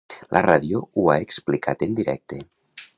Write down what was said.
La ràdio ho ha explicat en directe.